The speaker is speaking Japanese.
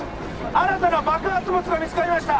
新たな爆発物が見つかりました